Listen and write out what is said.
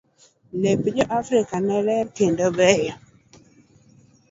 Lep jo afrika ne ler kendo beyo.